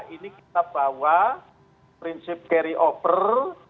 ini kita bawa prinsip carry over